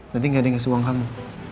nanti gak ada yang ngasih uang kamu